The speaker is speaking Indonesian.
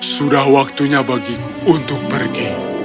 sudah waktunya bagiku untuk pergi